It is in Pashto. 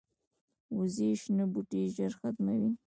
وزې شنه بوټي ژر ختموي